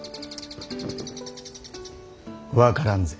分からんぜ。